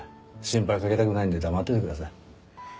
心配かけたくないんで黙っててください。